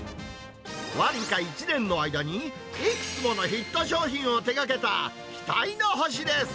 僅か１年の間にいくつものヒット商品を手がけた期待の星です。